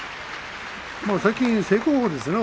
最近、正攻法ですね。